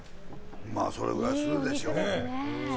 まあ、それぐらいするでしょう。